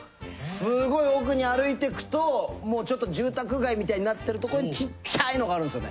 すごい奥に歩いていくともうちょっと住宅街みたいになってるところにちっちゃいのがあるんですよね。